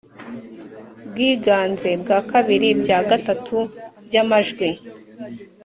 bwiganze bwa bibiri bya gatatu by amajwi